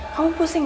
kamu pusing ya